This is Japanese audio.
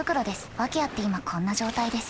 訳あって今こんな状態です。